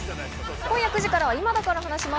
今夜９時からは『今だから話します』